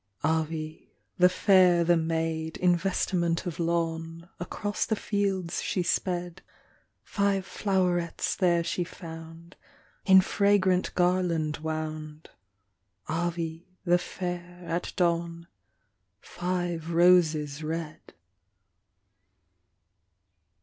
Avis, the fair, the maid, In vestiment of lawn; Across the fields she sped, Five flowerets there she found, In fragrant garland wound, Avis, the fair, at dawn, Five roses red.